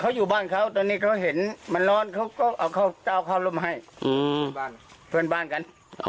เขาอยู่บ้านเขาตอนนี้เขาเห็นมันร้อนเขาก็เอาข้าวเจ้าข้าวร่มให้เพื่อนบ้านกัน